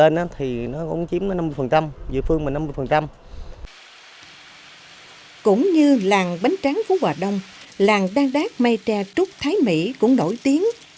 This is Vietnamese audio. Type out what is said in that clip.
nó có rất là lâu đời